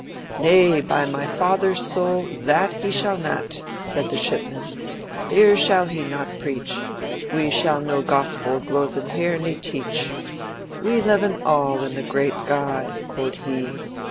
"Nay by my father's soule! that schal he nat," Sayde the Schipman, 'here schal he not preche, We schal no gospel glosen here ne teche. We leven all in the gret God,' quod he.